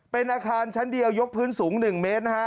เป็นอาคารชั้นเดียวยกพื้นสูง๑เมตรนะฮะ